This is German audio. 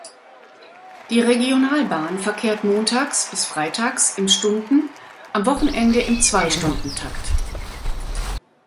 Die Regionalbahn verkehrt montags bis freitags im Stunden-, am Wochenende im Zwei-Stunden-Takt.